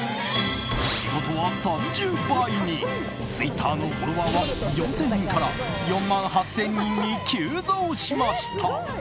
仕事は３０倍にツイッターのフォロワーは４０００人から４万８０００人に急増しました。